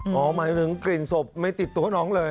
หมายถึงกลิ่นศพไม่ติดตัวน้องเลย